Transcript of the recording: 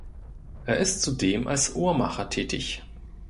Er ist zudem als Uhrmacher tätig.